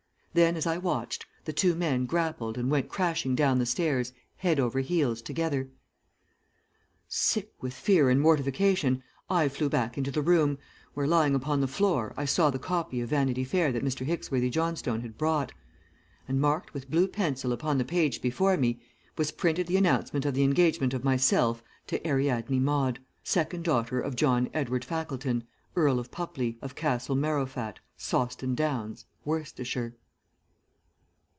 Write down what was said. Then, as I watched, the two men grappled and went crashing down the stairs, head over heels together. "Sick with fear and mortification, I flew back into the room, where, lying upon the floor, I saw the copy of Vanity Fair that Mr. Hicksworthy Johnstone had brought, and marked with blue pencil upon the page before me was printed the announcement of the engagement of myself to Ariadne Maude, second daughter of John Edward Fackleton, Earl of Pupley, of Castle Marrowfat, Sauceton Downs, Worcestershire."